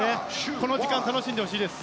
この時間、楽しんでほしいです。